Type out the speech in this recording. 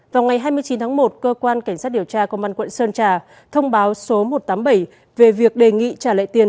vào ngày hai mươi chín tháng một cơ quan cảnh sát điều tra công an quận sơn trà thông báo số một trăm tám mươi bảy về việc đề nghị trả lại tiền